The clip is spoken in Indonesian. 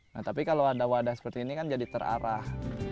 nah tapi kalau ada wadah seperti ini kan jadi terarah